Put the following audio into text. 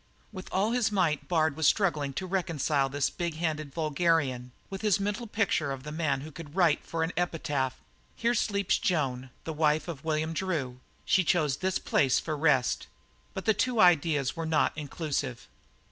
With all his might Bard was struggling to reconcile this big handed vulgarian with his mental picture of the man who could write for an epitaph: "Here sleeps Joan, the wife of William Drew. She chose this place for rest." But the two ideas were not inclusive.